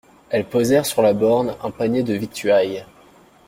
Elles posèrent sur la borne un panier de victuailles.